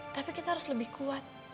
tapi kita harus lebih kuat